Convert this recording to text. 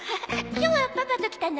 今日はパパと来たの？